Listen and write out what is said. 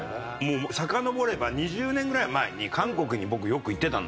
さかのぼれば２０年ぐらい前に韓国に僕よく行ってたんですよ。